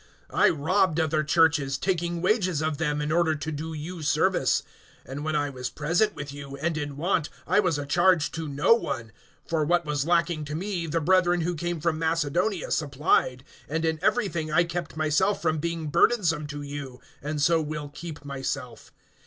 (8)I robbed other churches, taking wages of them, in order to do you service. (9)And when I was present with you, and in want, I was a charge to no one; for what was lacking to me the brethren who came from Macedonia supplied; and in every thing I kept myself from being burdensome to you, and so will keep myself.